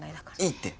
いいって。